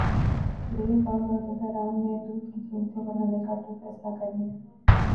dairy farms عہدیداران نے دودھ کی قیمتیں بڑھانے کا اٹل فیصلہ کرلیا